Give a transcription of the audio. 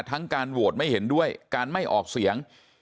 การโหวตไม่เห็นด้วยการไม่ออกเสียง